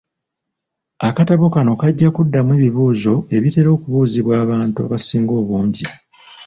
Akatabo kano kajja kuddamu ebibuuzo ebitera okubuuzibwa abantu abasinga obungi.